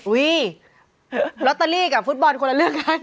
ลอตเตอรี่กับฟุตบอลคนละเรื่องกัน